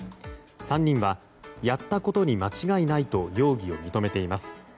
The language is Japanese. ３人はやったことに間違いないと容疑を認めています。